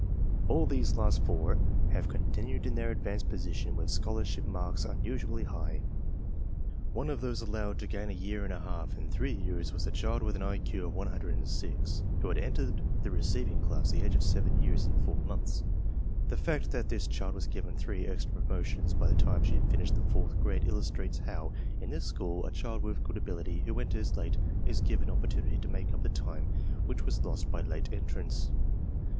All these last four have con tinued in their advanced position with scholarship marks unusually high. One of those allowed to gain a year and a half in three years was a child with an IQ of 106 who had entered the receiving class at the age of 7 years and 4 months. The fact that this child was given three extra promotions by the time she had finished the fourth grade illustrates how, in this school, a child with good ability who enters late is given opportunity to make up the time which was lost by late entrance.